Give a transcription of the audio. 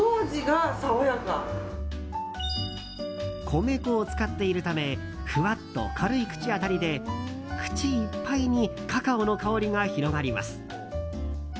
米粉を使っているためふわっと軽い口当たりで口いっぱいにカカオの香りが広がります。